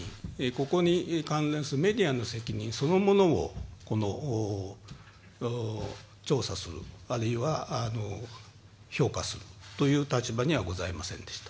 ここに関連するメディアの責任そのものを調査する、あるいは評価するという立場にはございませんでした。